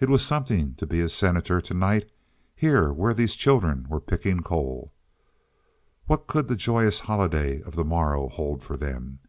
It was something to be a Senator to night, here where these children were picking coal. What could the joyous holiday of the morrow hold for them?